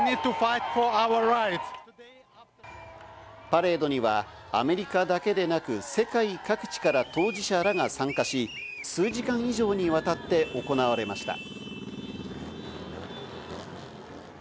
パレードにはアメリカだけでなく世界各地から当事者らが参加し、数時間以上にわたって行われました。